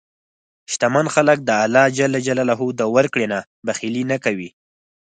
شتمن خلک د الله د ورکړې نه بخیلي نه کوي.